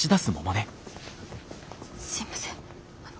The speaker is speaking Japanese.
すいませんあの。